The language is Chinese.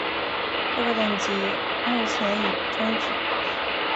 这个等级目前已终止。